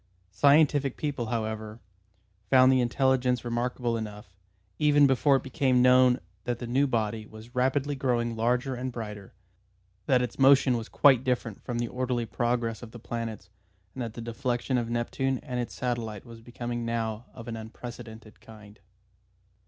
Scientific people, however, found the intelligence remarkable enough, even before it became known that the new body was rapidly growing larger and brighter, that its motion was quite different from the orderly progress of the planets, and that the deflection of Neptune and its satellite was becoming now of an unprecedented kind.